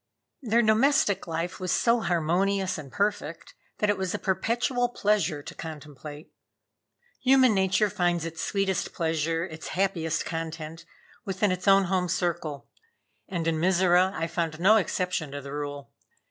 Their domestic life was so harmonious and perfect that it was a perpetual pleasure to contemplate. Human nature finds its sweetest pleasure, its happiest content, within its own home circle; and in Mizora I found no exception to the rule.